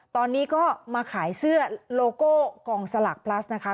ตอนนี้ก็มาขายเสื้อโลโก้กองสลากพลัสนะคะ